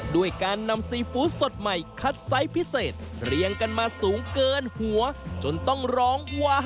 ด้วยการนำซีฟู้ดสดใหม่คัดไซส์พิเศษเรียงกันมาสูงเกินหัวจนต้องร้องว้า